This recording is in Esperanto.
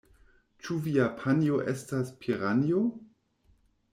Ĉu via panjo estas piranjo?